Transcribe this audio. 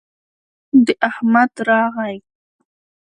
د احمد راغى